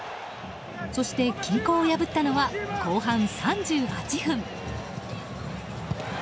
そして均衡を破ったのは後半３８分。